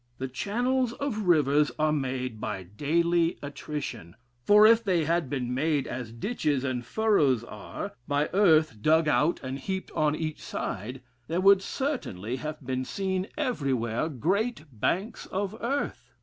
The channels of rivers are made by daily attrition; for if they had been made as ditches and furrows are, by earth dug out and heaped on each side, there would certainly have been seen everywhere great banks of earth.